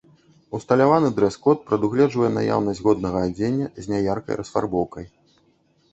Усталяваны дрэс-код прадугледжвае наяўнасць годнага адзення з няяркай расфарбоўкай.